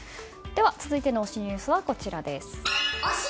続いての推しニュースはこちらです。